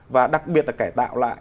và đặc biệt là kẻ tạo lại